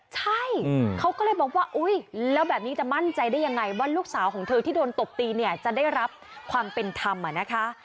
ใช่เขาก็เลยบอกว่าอุ๊ยแล้วแบบนี้จะมั่นใจได้ยังไงว่าลูกสาวของเธอที่โดนตบตีเนี่ยจะได้รับความเป็นธรรมอ่ะนะคะ